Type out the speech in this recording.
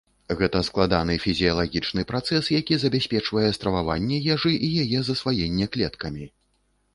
Гэта складаны фізіялагічны працэс, які забяспечвае страваванне ежы і яе засваенне клеткамі.